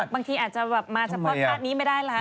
บางทีอาจมาเฉพาะพวกนั้นนี่ไม่ได้หรอ